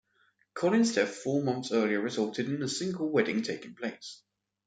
Collins' death four months earlier resulted in a single wedding taking place.